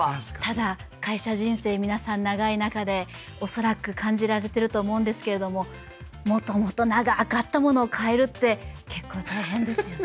ただ会社人生皆さん長い中で恐らく感じられてると思うんですけれどももともと長くあったものを変えるって結構大変ですよね。